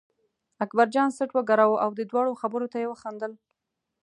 اکبرجان څټ و ګراوه او د دواړو خبرو ته یې وخندل.